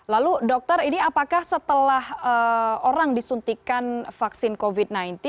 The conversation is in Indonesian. lalu dokter ini apakah setelah orang disuntikan vaksin covid sembilan belas